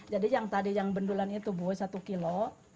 jadi yang tadi yang bendulan itu bu satu kilo